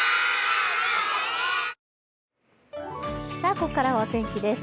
ここからはお天気です。